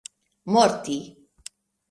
morti